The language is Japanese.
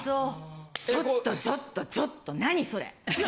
ちょっとちょっとちょっと何それ。